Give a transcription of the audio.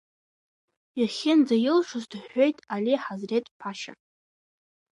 Иахьынӡаилшоз дыҳәҳәеит али Ҳазреҭ-ԥашьа.